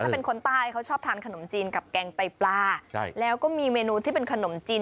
ถ้าเป็นคนใต้เขาชอบทานขนมจีนกับแกงไตปลาใช่แล้วก็มีเมนูที่เป็นขนมจีน